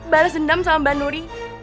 balas dendam sama mbak nuri